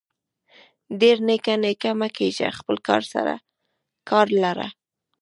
ډير نيکه نيکه مه کيږه خپل کار سره کار لره.